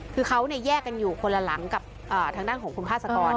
คือเขาแยกกันอยู่คนละหลังกับทางด้านของคุณภาษากร